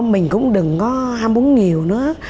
mình cũng đừng có ham bún nhiều nữa